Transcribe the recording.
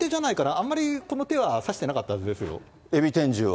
あんまりこの手は指してなかった海老天重は。